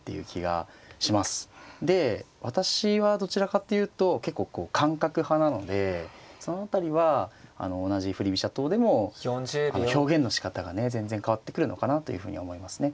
で私はどちらかっていうと結構こう感覚派なのでその辺りは同じ振り飛車党でも表現のしかたがね全然変わってくるのかなというふうには思いますね。